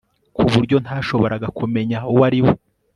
kuburyo ntashoboraga kumenya uwo ariwe